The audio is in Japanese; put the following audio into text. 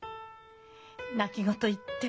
泣き言言って。